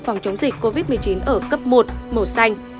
phòng chống dịch covid một mươi chín ở cấp một màu xanh